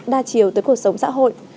đa chiều tới cuộc sống xã hội